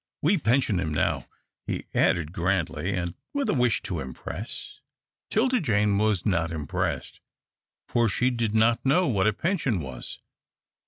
We pension him now," he added, grandly, and with a wish to impress. 'Tilda Jane was not impressed, for she did not know what a pension was.